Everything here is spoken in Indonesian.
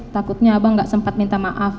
takutnya abang nggak sempat minta maaf